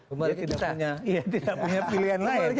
kemudian kita tidak punya pilihan lain